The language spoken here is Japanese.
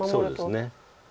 そうですね。